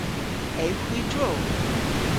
Ewgh hwi drog?